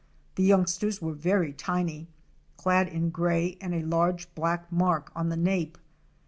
The youngsters were very tiny, clad in gray with a large black mark on the nape.